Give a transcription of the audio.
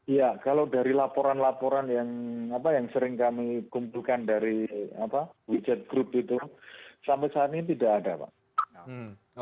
iya kalau dari laporan laporan yang sering kami kumpulkan dari wechat group itu sampai saat ini tidak ada pak